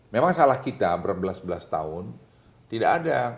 memang salah kita berbelas belas tahun tidak ada